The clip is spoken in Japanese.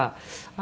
あ